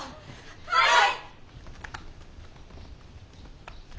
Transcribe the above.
はい！